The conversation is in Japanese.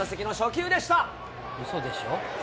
うそでしょ。